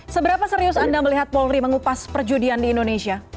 seberapa serius anda melihat polri mengupas perjudian di indonesia